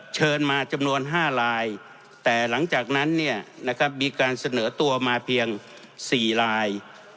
เชิญมาจำนวน๕ลายแต่หลังจากนั้นมีการเสนอตัวมาเพียง๔ลาย